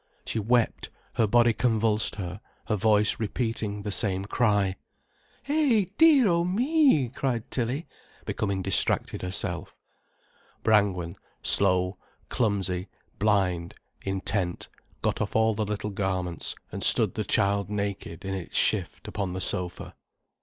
She wept, her body convulsed, her voice repeating the same cry. "Eh, dear o' me!" cried Tilly, becoming distracted herself. Brangwen, slow, clumsy, blind, intent, got off all the little garments, and stood the child naked in its shift upon the sofa.